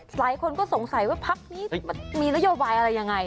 หลายคนก็สงสัยว่าพักนี้มีนโยบายอะไรยังไง